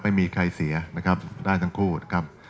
ไม่มีใครเสียนะครับได้ทั้งคู่นะครับ